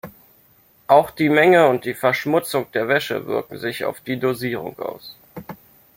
Auch die Menge und die Verschmutzung der Wäsche wirken sich auf die Dosierung aus.